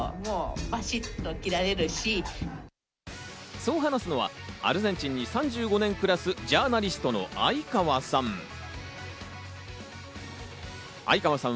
そう話すのはアルゼンチンに３５年暮らすジャーナリストの相川さん。